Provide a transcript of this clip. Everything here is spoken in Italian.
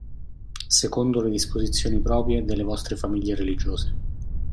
Secondo le disposizioni proprie delle vostre famiglie religiose.